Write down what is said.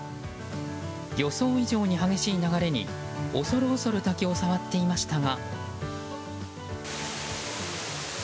予想以上に激しい流れに恐る恐る滝を触っていましたが。